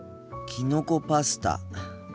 きのこパスタ。